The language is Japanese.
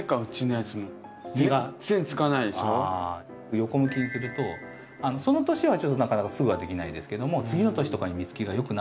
横向きにするとその年はちょっとなかなかすぐはできないですけども次の年とかに実つきがよくなると。